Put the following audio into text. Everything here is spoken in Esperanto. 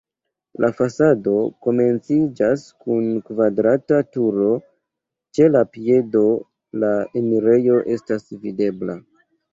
La fasado komenciĝas kun kvadrata turo, ĉe la piedo la enirejo estas videbla.